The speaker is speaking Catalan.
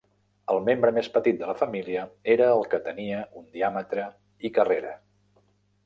El membre més petit de la família era el que tenia un diàmetre i carrera.